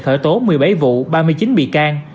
khởi tố một mươi bảy vụ ba mươi chín bị can